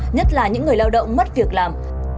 nhất là những người lao động mất việc làm